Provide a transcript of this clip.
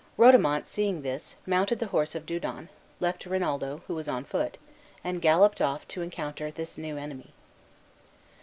Rodomont, seeing this, mounted the horse of Dudon, left Rinaldo, who was on foot, and galloped off to encounter this new enemy.